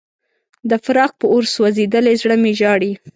د فراق په اور سوځېدلی زړه مې ژاړي.